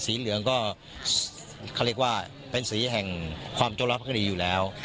เหลืองก็เขาเรียกว่าเป็นสีแห่งความจงรักภักดีอยู่แล้ว